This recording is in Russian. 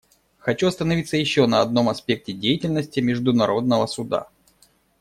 Хочу остановиться еще на одном аспекте деятельности Международного Суда.